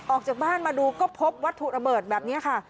ออกจากบ้านมาดูก็พบวัตถุระเบิดแบบนี้ค่ะ